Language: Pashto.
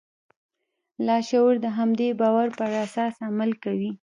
لاشعور د همدې باور پر اساس عمل کوي